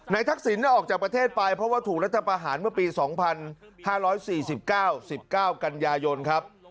ทักษิณออกจากประเทศไปเพราะว่าถูกรัฐประหารเมื่อปี๒๕๔๙๑๙กันยายนครับ